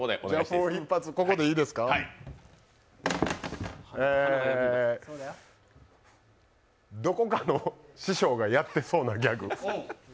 もう一発、ここでいいですかどこかの師匠がやってそうなギャグ。